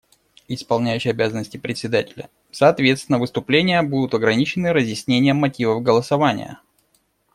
Исполняющий обязанности Председателя: Соответственно, выступления будут ограничены разъяснением мотивов голосования.